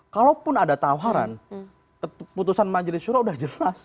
kalaupun ada tawaran putusan majelis syurah udah jelas